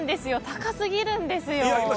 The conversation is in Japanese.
高すぎるんですよ。